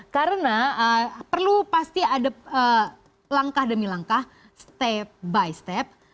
karena perlu pasti ada langkah demi langkah step by step